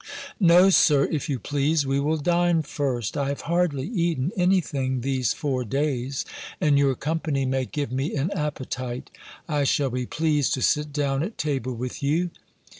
"No, Sir, if you please, we will dine first. I have hardly eaten any thing these four days; and your company may give me an appetite. I shall be pleased to sit down at table with you.